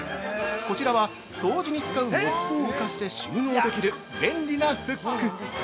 こちらは、掃除に使うモップを浮かして収納できる便利なフック。